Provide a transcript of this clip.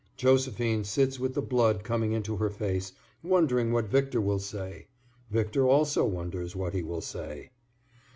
Josephine sits with the blood coming into her face, wondering what Victor will say. Victor also wonders what he will say.